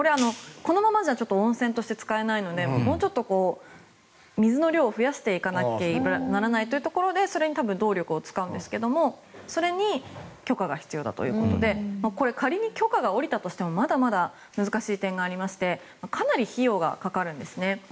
このままじゃ温泉として使えないのでもうちょっと水の量を増やしていかなければならないというところでそれに多分、動力を使うんですがそれに許可が必要だということでこれ、仮に許可が下りたとしてもまだまだ難しい点がありましてかなり費用がかかるんですね。